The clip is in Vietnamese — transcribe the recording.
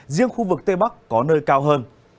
riêng khu vực tây bắc có nơi cao hơn